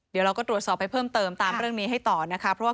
เดี๋ยวเราก็ตรวจสอบไปเพิ่มเติมตามเรื่องนี้ให้ต่อนะคะ